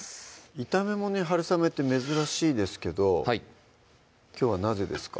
炒めものにはるさめって珍しいですけどきょうはなぜですか？